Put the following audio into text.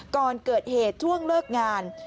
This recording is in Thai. ก่อนเกิดเหตุช่วงเลิกงาน